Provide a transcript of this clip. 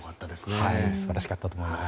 素晴らしかったと思います。